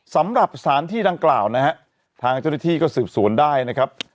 สำหรับสถานที่ดังกล่าวนะฮะทางเจ้าหน้าที่ก็สืบสวนได้นะครับ